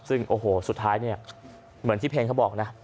ซึ่งโอ้โหสุดท้ายเนี่ยเหมือนที่เพลงเขาบอกนะ